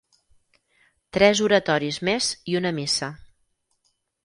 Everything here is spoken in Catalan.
Tres oratoris més i una missa.